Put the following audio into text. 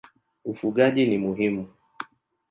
Ufugaji ni muhimu.